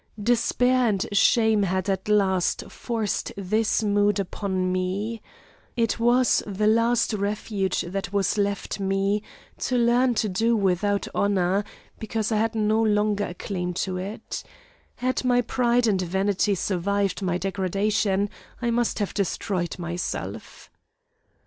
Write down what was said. Despair and shame had at last forced this mood upon me. It was the last refuge that was left me, to learn to do without honour, because I had no longer a claim to it. Had my pride and vanity survived my degradation, I must have destroyed myself.